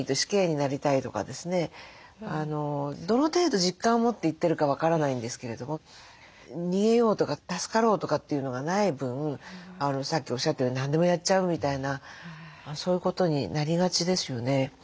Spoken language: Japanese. どの程度実感を持って言ってるか分からないんですけれども逃げようとか助かろうとかっていうのがない分さっきおっしゃったように何でもやっちゃうみたいなそういうことになりがちですよね。